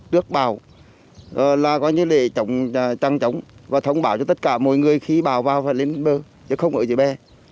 đưa bào là trang trọng và thông báo cho tất cả mỗi người khi bào vào và lên bờ chứ không ở dưới bè